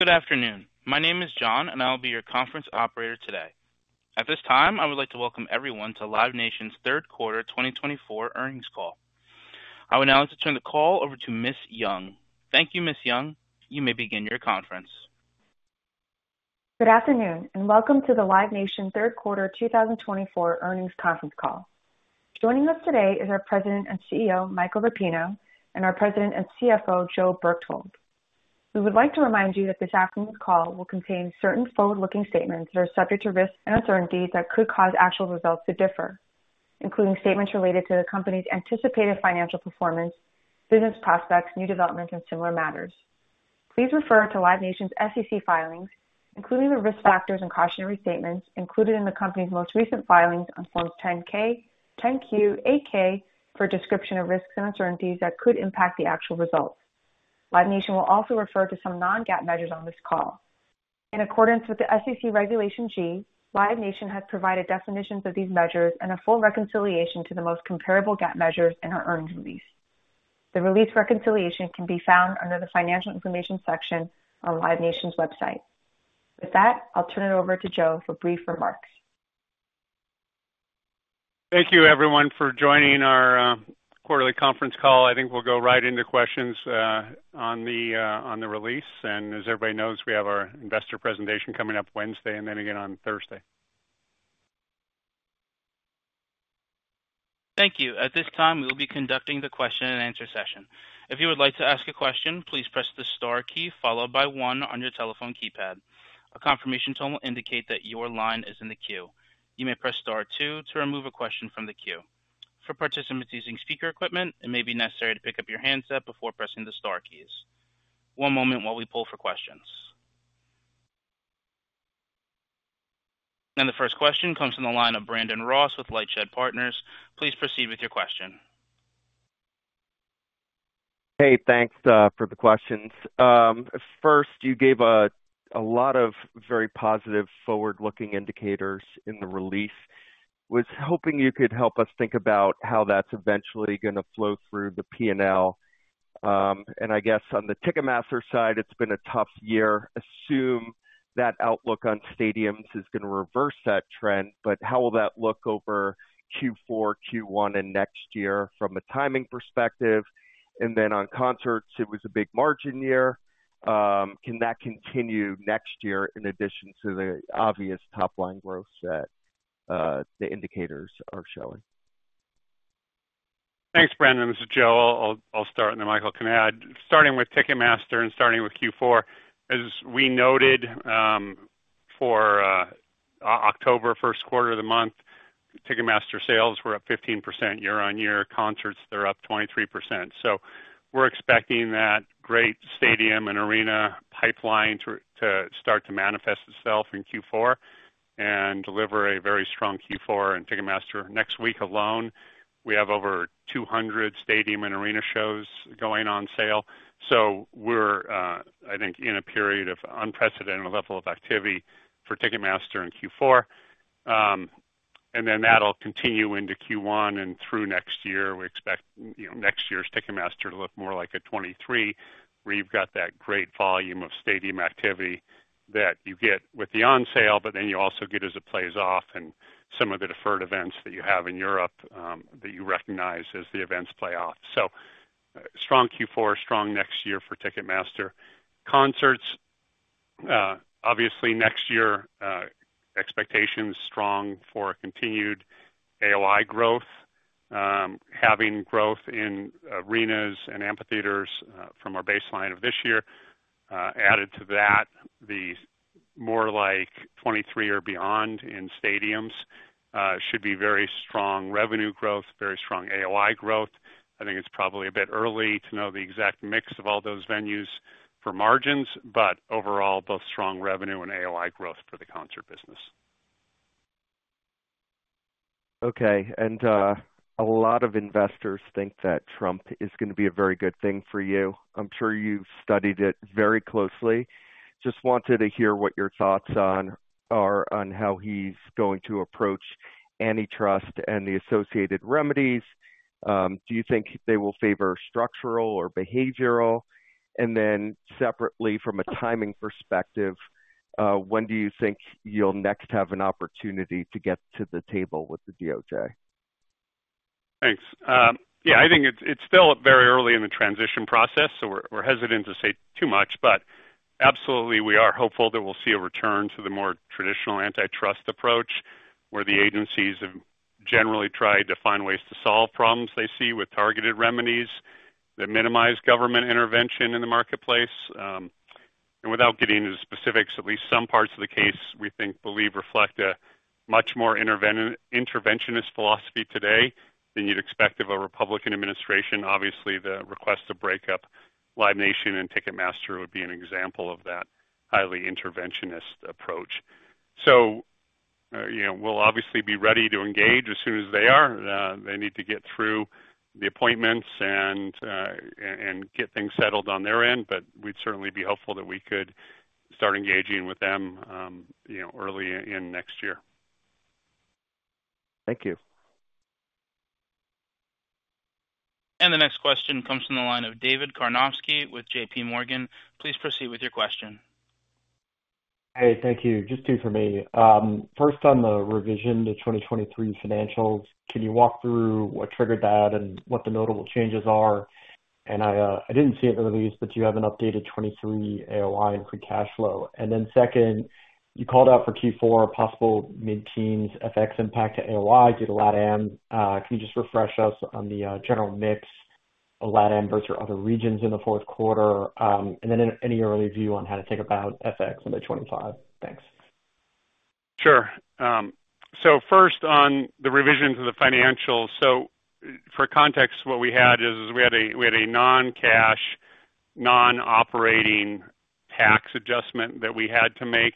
Good afternoon. My name is John, and I'll be your conference operator today. At this time, I would like to welcome everyone to Live Nation's third quarter 2024 earnings call. I would now like to turn the call over to Ms. Yong. Thank you, Ms. Yong. You may begin your conference. Good afternoon, and welcome to the Live Nation third quarter 2024 earnings conference call. Joining us today is our President and CEO, Michael Rapino, and our President and CFO, Joe Berchtold. We would like to remind you that this afternoon's call will contain certain forward-looking statements that are subject to risk and uncertainty that could cause actual results to differ, including statements related to the company's anticipated financial performance, business prospects, new developments, and similar matters. Please refer to Live Nation's SEC filings, including the risk factors and cautionary statements included in the company's most recent filings on Forms 10-K, 10-Q, 8-K for a description of risks and uncertainties that could impact the actual results. Live Nation will also refer to some non-GAAP measures on this call. In accordance with the SEC Regulation G, Live Nation has provided definitions of these measures and a full reconciliation to the most comparable GAAP measures in our earnings release. The release reconciliation can be found under the Financial Information section on Live Nation's website. With that, I'll turn it over to Joe for brief remarks. Thank you, everyone, for joining our quarterly conference call. I think we'll go right into questions on the release, and as everybody knows, we have our investor presentation coming up Wednesday and then again on Thursday. Thank you. At this time, we will be conducting the question-and-answer session. If you would like to ask a question, please press the star key followed by one on your telephone keypad. A confirmation tone will indicate that your line is in the queue. You may press star two to remove a question from the queue. For participants using speaker equipment, it may be necessary to pick up your handset before pressing the star keys. One moment while we pull for questions. And the first question comes from the line of Brandon Ross with LightShed Partners. Please proceed with your question. Hey, thanks for the questions. First, you gave a lot of very positive, forward-looking indicators in the release. I was hoping you could help us think about how that's eventually going to flow through the P&L. And I guess on the Ticketmaster side, it's been a tough year. I assume that outlook on stadiums is going to reverse that trend, but how will that look over Q4, Q1, and next year from a timing perspective? And then on concerts, it was a big margin year. Can that continue next year in addition to the obvious top-line growth that the indicators are showing? Thanks, Brandon and Joe. I'll start, and then Michael can add. Starting with Ticketmaster and starting with Q4, as we noted for October, first quarter of the month, Ticketmaster sales were up 15% year-on-year. Concerts, they're up 23%. So we're expecting that great stadium and arena pipeline to start to manifest itself in Q4 and deliver a very strong Q4 in Ticketmaster. Next week alone, we have over 200 stadium and arena shows going on sale. So we're, I think, in a period of unprecedented level of activity for Ticketmaster in Q4. And then that'll continue into Q1 and through next year. We expect next year's Ticketmaster to look more like a 2023, where you've got that great volume of stadium activity that you get with the on sale, but then you also get as it plays off and some of the deferred events that you have in Europe that you recognize as the events play off, so strong Q4, strong next year for Ticketmaster. Concerts, obviously next year, expectations strong for continued AOI growth, having growth in arenas and amphitheaters from our baseline of this year. Added to that, the more like 2023 or beyond in stadiums should be very strong revenue growth, very strong AOI growth. I think it's probably a bit early to know the exact mix of all those venues for margins, but overall, both strong revenue and AOI growth for the concert business. Okay. And a lot of investors think that Trump is going to be a very good thing for you. I'm sure you've studied it very closely. Just wanted to hear what your thoughts are on how he's going to approach antitrust and the associated remedies. Do you think they will favor structural or behavioral? And then separately, from a timing perspective, when do you think you'll next have an opportunity to get to the table with the DOJ? Thanks. Yeah, I think it's still very early in the transition process, so we're hesitant to say too much, but absolutely we are hopeful that we'll see a return to the more traditional antitrust approach where the agencies have generally tried to find ways to solve problems they see with targeted remedies that minimize government intervention in the marketplace, and without getting into specifics, at least some parts of the case we believe reflect a much more interventionist philosophy today than you'd expect of a Republican administration. Obviously, the request to break up Live Nation and Ticketmaster would be an example of that highly interventionist approach. So we'll obviously be ready to engage as soon as they are. They need to get through the appointments and get things settled on their end, but we'd certainly be hopeful that we could start engaging with them early in next year. Thank you. And the next question comes from the line of David Karnovsky with JPMorgan. Please proceed with your question. Hey, thank you. Just two for me. First, on the revision to 2023 financials, can you walk through what triggered that and what the notable changes are? And I didn't see it in the release, but you have an updated 2023 AOI and free cash flow. And then second, you called out for Q4, possible mid-teens FX impact to AOI due to LatAm. Can you just refresh us on the general mix of LatAm versus other regions in the fourth quarter? And then any early view on how to think about FX in the 2025? Thanks. Sure. So first, on the revision to the financials, so for context, what we had is we had a non-cash, non-operating tax adjustment that we had to make.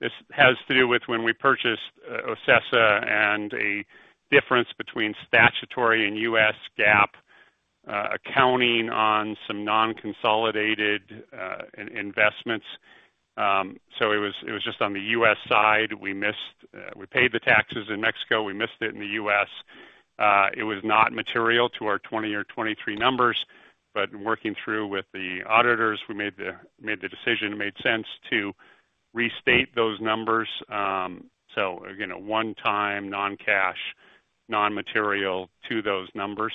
This has to do with when we purchased OCESA and a difference between statutory and U.S. GAAP accounting on some non-consolidated investments. So it was just on the U.S. side. We paid the taxes in Mexico. We missed it in the U.S. It was not material to our 2020 or 2023 numbers, but working through with the auditors, we made the decision it made sense to restate those numbers. So one-time non-cash, non-material to those numbers.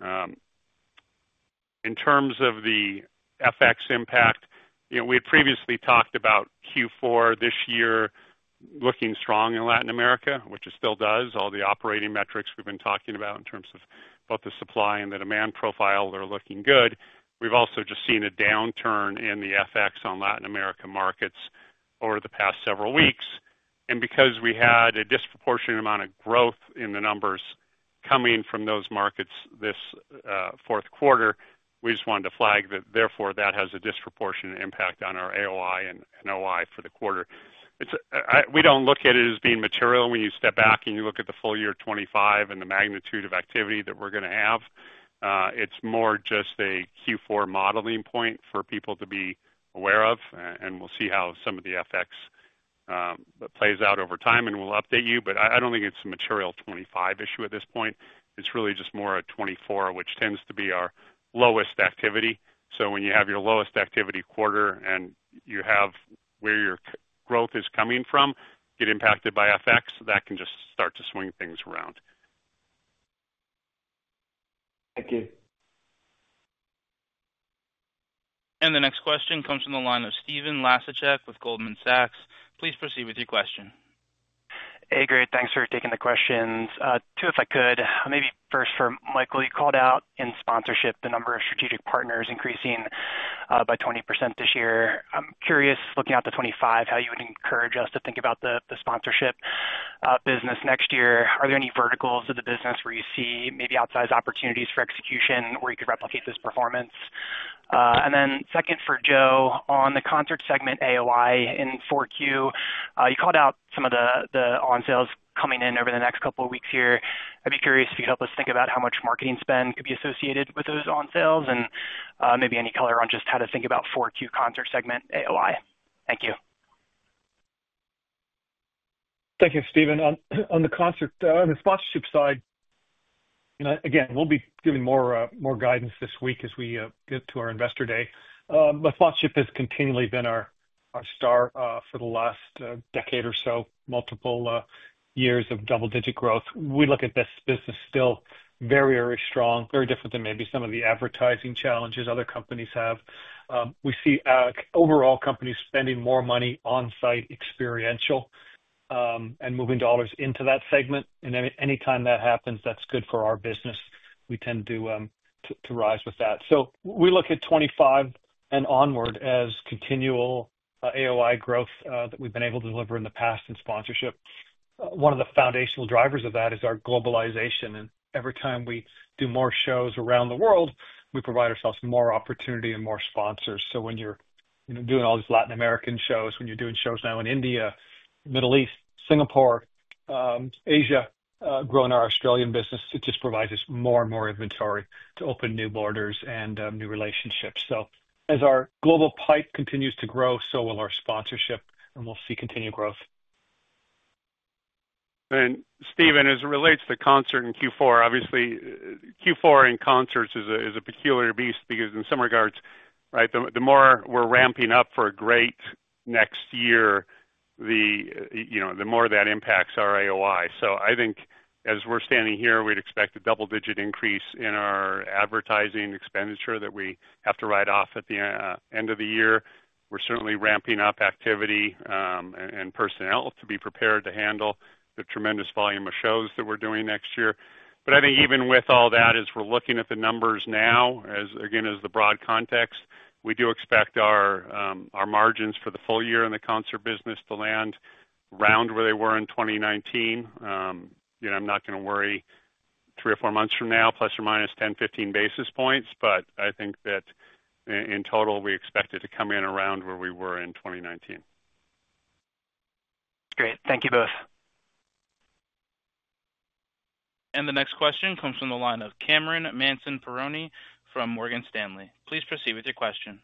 In terms of the FX impact, we had previously talked about Q4 this year looking strong in Latin America, which it still does. All the operating metrics we've been talking about in terms of both the supply and the demand profile are looking good. We've also just seen a downturn in the FX on Latin America markets over the past several weeks, and because we had a disproportionate amount of growth in the numbers coming from those markets this fourth quarter, we just wanted to flag that, therefore, that has a disproportionate impact on our AOI and NOI for the quarter. We don't look at it as being material when you step back and you look at the full year 2025 and the magnitude of activity that we're going to have. It's more just a Q4 modeling point for people to be aware of, and we'll see how some of the FX plays out over time, and we'll update you, but I don't think it's a material 2025 issue at this point. It's really just more a 2024, which tends to be our lowest activity. So when you have your lowest activity quarter and you have where your growth is coming from get impacted by FX, that can just start to swing things around. Thank you. The next question comes from the line of Stephen Laszczyk with Goldman Sachs. Please proceed with your question. Hey, Guys, thanks for taking the questions. Too, if I could, maybe first for Michael. You called out in sponsorship the number of strategic partners increasing by 20% this year. I'm curious, looking out to 2025, how you would encourage us to think about the sponsorship business next year. Are there any verticals of the business where you see maybe outsized opportunities for execution where you could replicate this performance? And then second for Joe, on the concert segment AOI in Q4, you called out some of the onsales coming in over the next couple of weeks here. I'd be curious if you could help us think about how much marketing spend could be associated with those onsales and maybe any color on just how to think about Q4 concert segment AOI. Thank you. Thank you, Stephen. On the concert, on the sponsorship side, again, we'll be giving more guidance this week as we get to our investor day, but sponsorship has continually been our star for the last decade or so, multiple years of double-digit growth. We look at this business still very, very strong, very different than maybe some of the advertising challenges other companies have. We see overall companies spending more money on-site experiential and moving dollars into that segment, and anytime that happens, that's good for our business. We tend to rise with that, so we look at 2025 and onward as continual AOI growth that we've been able to deliver in the past in sponsorship. One of the foundational drivers of that is our globalization, and every time we do more shows around the world, we provide ourselves more opportunity and more sponsors. So when you're doing all these Latin American shows, when you're doing shows now in India, Middle East, Singapore, Asia, growing our Australian business, it just provides us more and more inventory to open new borders and new relationships. So as our global pipeline continues to grow, so will our sponsorship, and we'll see continued growth. And Stephen, as it relates to concerts in Q4, obviously, Q4 in concerts is a peculiar beast because in some regards, right, the more we're ramping up for a great next year, the more that impacts our AOI. So I think as we're standing here, we'd expect a double-digit increase in our advertising expenditure that we have to write off at the end of the year. We're certainly ramping up activity and personnel to be prepared to handle the tremendous volume of shows that we're doing next year. But I think even with all that, as we're looking at the numbers now, again, as the broad context, we do expect our margins for the full year in the concerts business to land around where they were in 2019. I'm not going to worry three or four months from now, plus or minus 10-15 basis points, but I think that in total, we expect it to come in around where we were in 2019. Great. Thank you both. The next question comes from the line of Cameron Mansson-Perrone from Morgan Stanley. Please proceed with your question.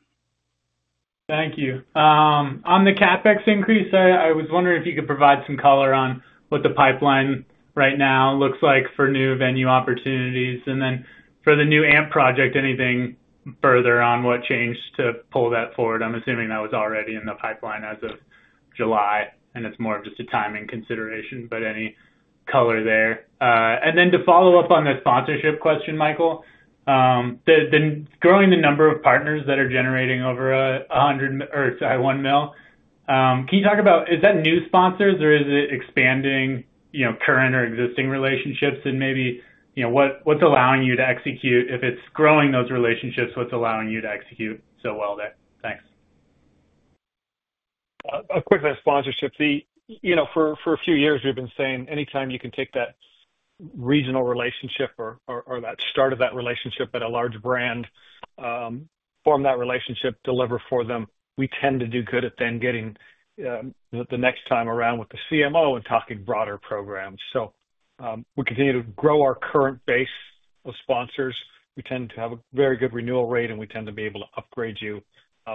Thank you. On the CapEx increase, I was wondering if you could provide some color on what the pipeline right now looks like for new venue opportunities. And then for the new Amp project, anything further on what changed to pull that forward? I'm assuming that was already in the pipeline as of July, and it's more of just a timing consideration, but any color there. And then to follow up on the sponsorship question, Michael, then growing the number of partners that are generating over 100 or, sorry, 1 million, can you talk about, is that new sponsors or is it expanding current or existing relationships? And maybe what's allowing you to execute? If it's growing those relationships, what's allowing you to execute so well there? Thanks. Quickly on sponsorship. For a few years, we've been saying anytime you can take that regional relationship or that start of that relationship at a large brand, form that relationship, deliver for them, we tend to do good at then getting the next time around with the CMO and talking broader programs. So we continue to grow our current base of sponsors. We tend to have a very good renewal rate, and we tend to be able to upgrade you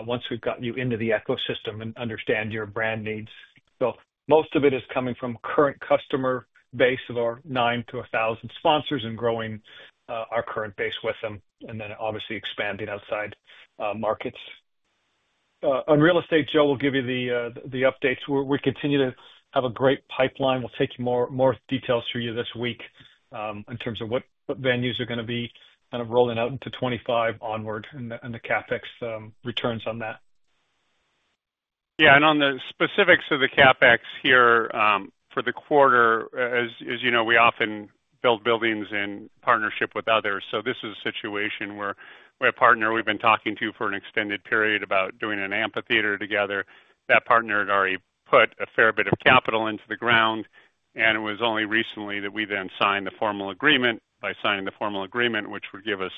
once we've gotten you into the ecosystem and understand your brand needs. So most of it is coming from current customer base of our 9,000 to 1,000 sponsors and growing our current base with them and then obviously expanding outside markets. On real estate, Joe will give you the updates. We continue to have a great pipeline. We'll walk you through more details this week in terms of what venues are going to be kind of rolling out into 2025 onward and the CapEx returns on that. Yeah. And on the specifics of the CapEx here for the quarter, as you know, we often build buildings in partnership with others. So this is a situation where we have a partner we've been talking to for an extended period about doing an amphitheater together. That partner had already put a fair bit of capital into the ground, and it was only recently that we then signed the formal agreement. By signing the formal agreement, which would give us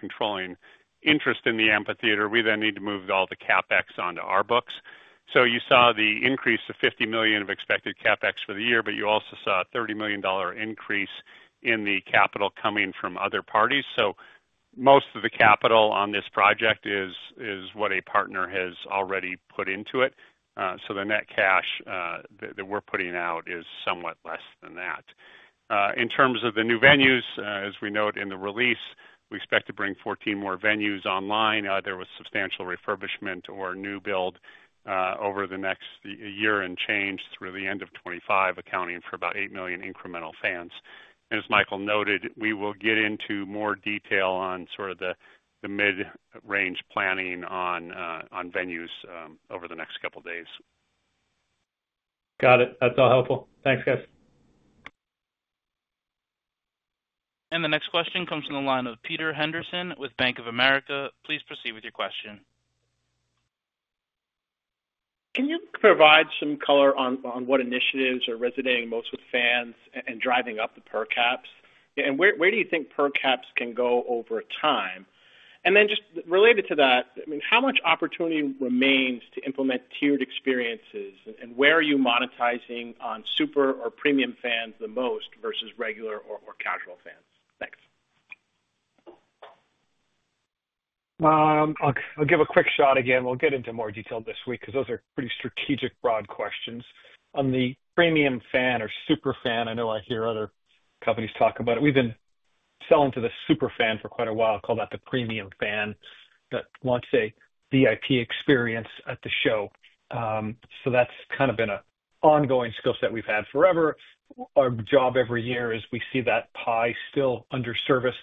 controlling interest in the amphitheater, we then need to move all the CapEx onto our books. So you saw the increase to $50 million of expected CapEx for the year, but you also saw a $30 million increase in the capital coming from other parties. So most of the capital on this project is what a partner has already put into it. So the net cash that we're putting out is somewhat less than that. In terms of the new venues, as we note in the release, we expect to bring 14 more venues online, either with substantial refurbishment or new build over the next year and change through the end of 2025, accounting for about eight million incremental fans. And as Michael noted, we will get into more detail on sort of the mid-range planning on venues over the next couple of days. Got it. That's all helpful. Thanks, guys. The next question comes from the line of Peter Henderson with Bank of America. Please proceed with your question. Can you provide some color on what initiatives are resonating most with fans and driving up the per caps? And where do you think per caps can go over time? And then just related to that, I mean, how much opportunity remains to implement tiered experiences, and where are you monetizing on super or premium fans the most versus regular or casual fans? Thanks. I'll give a quick shot again. We'll get into more detail this week because those are pretty strategic broad questions. On the premium fan or super fan, I know I hear other companies talk about it. We've been selling to the super fan for quite a while. Call that the premium fan that wants a VIP experience at the show. So that's kind of been an ongoing skill set we've had forever. Our job every year is we see that pie still underserviced.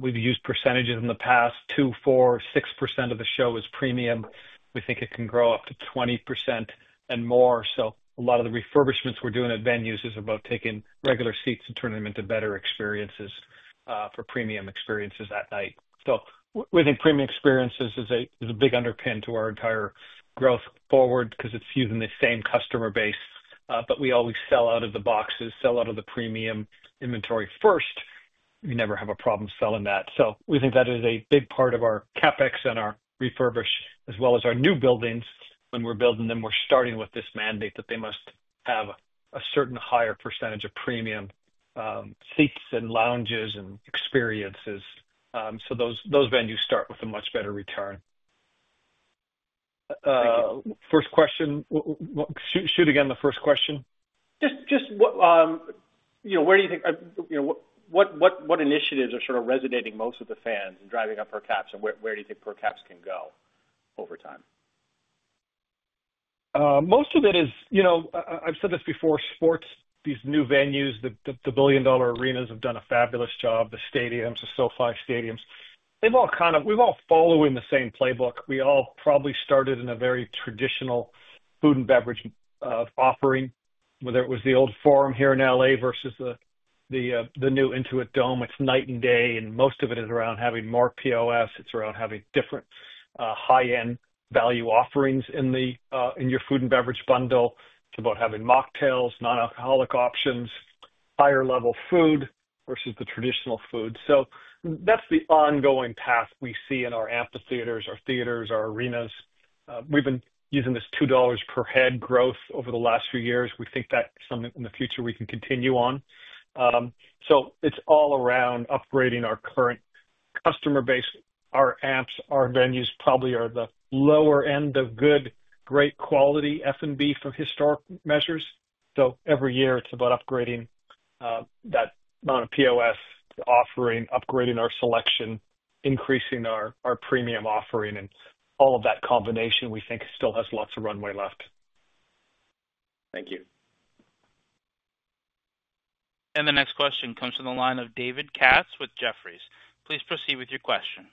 We've used percentages in the past. 2%, 4%, 6% of the show is premium. We think it can grow up to 20% and more. So a lot of the refurbishments we're doing at venues is about taking regular seats and turning them into better experiences for premium experiences at night. So we think premium experiences is a big underpin to our entire growth forward because it's using the same customer base. But we always sell out of the boxes, sell out of the premium inventory first. We never have a problem selling that. So we think that is a big part of our CapEx and our refurbish as well as our new buildings. When we're building them, we're starting with this mandate that they must have a certain higher percentage of premium seats and lounges and experiences. So those venues start with a much better return. First question. Shoot again the first question. Just, where do you think initiatives are sort of resonating most with the fans and driving up per caps? And where do you think per caps can go over time? Most of it is. I've said this before: sports, these new venues, the billion-dollar arenas have done a fabulous job. The stadiums, the SoFi stadiums, we've all followed the same playbook. We all probably started in a very traditional food and beverage offering, whether it was the old Forum here in LA versus the new Intuit Dome. It's night and day, and most of it is around having more POS. It's around having different high-end value offerings in your food and beverage bundle. It's about having mocktails, non-alcoholic options, higher-level food versus the traditional food, so that's the ongoing path we see in our amphitheaters, our theaters, our arenas. We've been using this $2 per head growth over the last few years. We think that's something in the future we can continue on, so it's all around upgrading our current customer base. Our amps, our venues probably are the lower end of good, great quality F&B for historic measures, so every year, it's about upgrading that amount of POS, offering, upgrading our selection, increasing our premium offering, and all of that combination we think still has lots of runway left. Thank you. The next question comes from the line of David Katz with Jefferies. Please proceed with your question.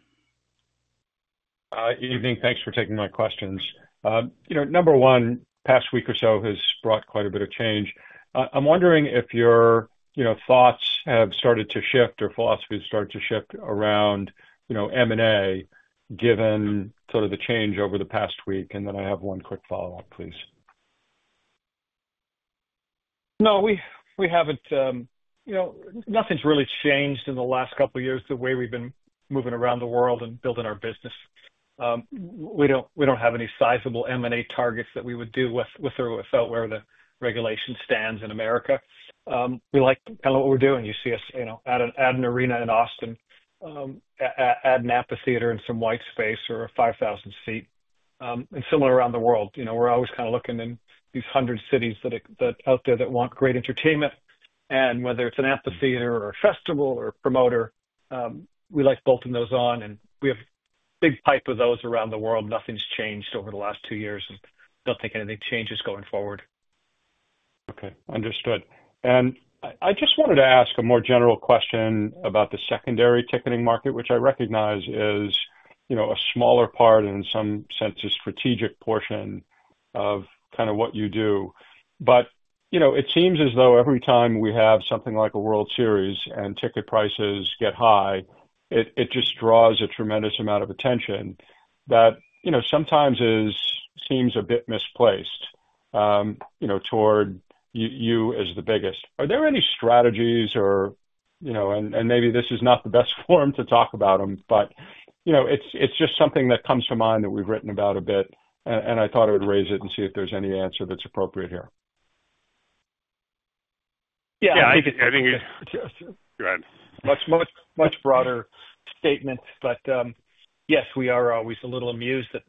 Evening. Thanks for taking my questions. Number one, the past week or so has brought quite a bit of change. I'm wondering if your thoughts have started to shift or philosophy has started to shift around M&A given sort of the change over the past week? And then I have one quick follow-up, please. No, we haven't. Nothing's really changed in the last couple of years the way we've been moving around the world and building our business. We don't have any sizable M&A targets that we would do with or without where the regulation stands in America. We like kind of what we're doing. You see us add an arena in Austin, add an amphitheater in some white space or a 5,000-seat. And similar around the world. We're always kind of looking in these hundred cities out there that want great entertainment. And whether it's an amphitheater or a festival or a promoter, we like bolting those on. And we have a big pipe of those around the world. Nothing's changed over the last two years. I don't think anything changes going forward. Okay. Understood. And I just wanted to ask a more general question about the secondary ticketing market, which I recognize is a smaller part and in some sense a strategic portion of kind of what you do. But it seems as though every time we have something like a World Series and ticket prices get high, it just draws a tremendous amount of attention that sometimes seems a bit misplaced toward you as the biggest. Are there any strategies? And maybe this is not the best form to talk about them, but it's just something that comes to mind that we've written about a bit. And I thought I would raise it and see if there's any answer that's appropriate here. Yeah. I think it's a much broader statement, but yes, we are always a little amused that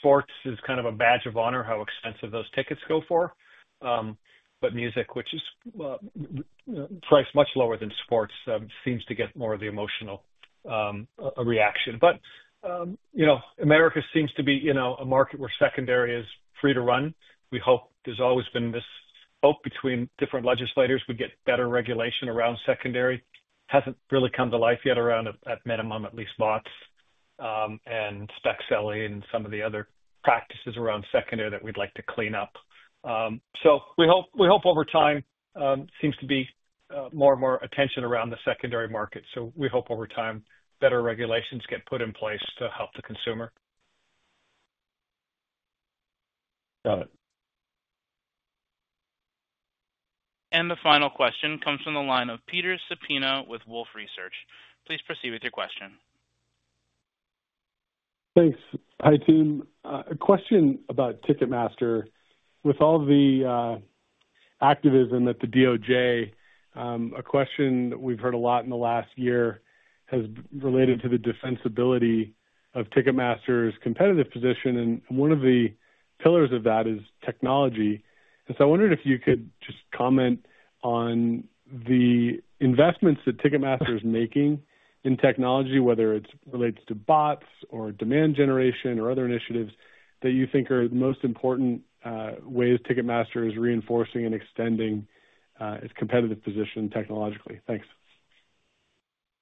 sports is kind of a badge of honor, how expensive those tickets go for. But music, which is priced much lower than sports, seems to get more of the emotional reaction. America seems to be a market where secondary is free to run. We hope there's always been this hope between different legislators we get better regulation around secondary. It hasn't really come to life yet around, at minimum, at least BOTS and spec selling and some of the other practices around secondary that we'd like to clean up. Over time seems to be more and more attention around the secondary market, so we hope over time better regulations get put in place to help the consumer. Got it. The final question comes from the line of Peter Supino with Wolfe Research. Please proceed with your question. Thanks. Hi, team. A question about Ticketmaster. With all the activism at the DOJ, a question we've heard a lot in the last year has related to the defensibility of Ticketmaster's competitive position. And one of the pillars of that is technology. And so I wondered if you could just comment on the investments that Ticketmaster is making in technology, whether it relates to bots or demand generation or other initiatives that you think are the most important ways Ticketmaster is reinforcing and extending its competitive position technologically? Thanks.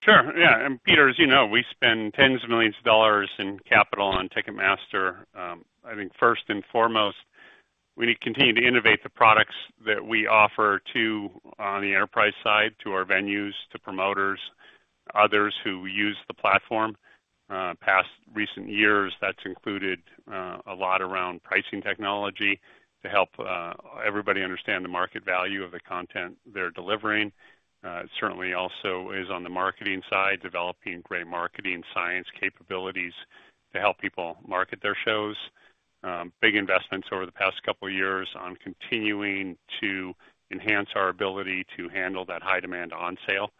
Sure. Yeah. And Peter, as you know, we spend $ tens of millions in capital on Ticketmaster. I think first and foremost, we need to continue to innovate the products that we offer to the enterprise side, to our venues, to promoters, others who use the platform. Past recent years, that's included a lot around pricing technology to help everybody understand the market value of the content they're delivering. It certainly also is on the marketing side, developing great marketing science capabilities to help people market their shows. Big investments over the past couple of years on continuing to enhance our ability to handle that high demand on sale.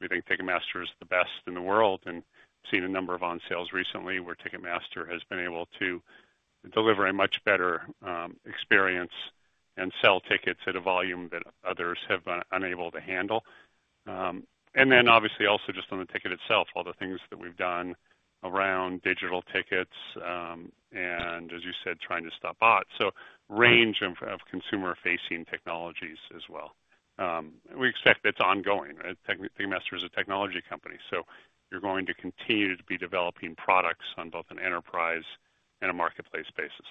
We think Ticketmaster is the best in the world. And seen a number of on sales recently where Ticketmaster has been able to deliver a much better experience and sell tickets at a volume that others have been unable to handle. And then obviously also just on the ticket itself, all the things that we've done around digital tickets and, as you said, trying to stop bots. So range of consumer-facing technologies as well. We expect it's ongoing. Ticketmaster is a technology company. So you're going to continue to be developing products on both an enterprise and a marketplace basis.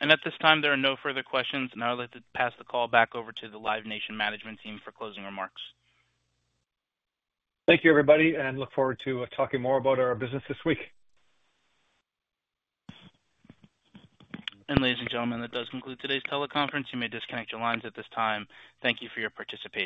At this time, there are no further questions. I'll pass the call back over to the Live Nation Management Team for closing remarks. Thank you, everybody. And look forward to talking more about our business this week. Ladies and gentlemen, that does conclude today's teleconference. You may disconnect your lines at this time. Thank you for your participation.